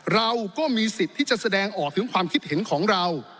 เราก็มีสิทธิ์ที่จะแสดงออกถึงความคิดเห็นของเรา